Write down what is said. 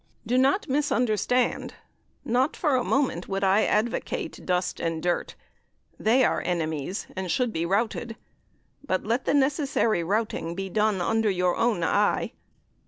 Do not misunderstand. Not for a moment would I advocate dust and dirt; they are enemies, and should be routed; but let the necessary routing be done under your own eye.